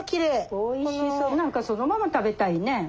何かそのまま食べたいね。